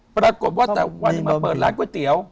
ปรากฏว่าแต่วันหนึ่งมาเปิดร้านก๋วยเตี๋ยว